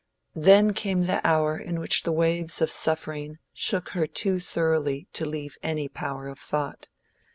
Then came the hour in which the waves of suffering shook her too thoroughly to leave any power of thought.